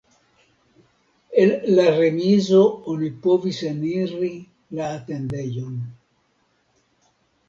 El la remizo oni povis eniri la atendejon.